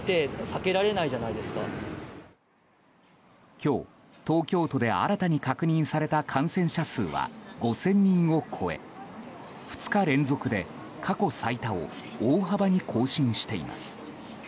今日、東京都で新たに確認された感染者数は５０００人を超え２日連続で過去最多を大幅に更新しています。